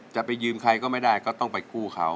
จะไปยืมใครก็ไม่ได้ก็ต้องไปกู้เขา